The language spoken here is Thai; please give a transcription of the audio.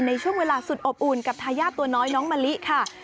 ในช่วงเวลาสุดอบอุ่นกับทายาทตัวน้อยน้องมะลิค่ะ